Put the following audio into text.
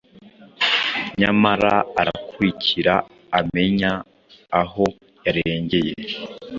nyamara arakurikira amenya aho yarengeye